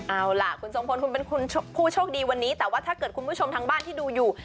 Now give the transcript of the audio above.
เอาล่ะคุณทรงพลคุณเป็นคุณผู้โชคดีวันนี้แต่ว่าถ้าเกิดคุณผู้ชมทางบ้านที่ดูอยู่